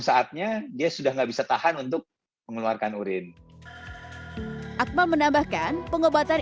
saatnya dia sudah nggak bisa tahan untuk mengeluarkan urin akmal menambahkan pengobatan